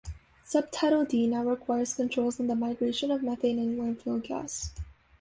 Subtitle D now requires controls on the migration of methane in landfill gas.